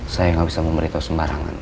saya nggak bisa memberitahu sembarangan